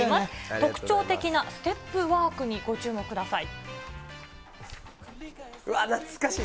特徴的なステップワークにごうわっ、懐かしい。